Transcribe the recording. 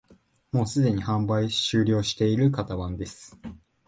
もうすでに販売終了している型番です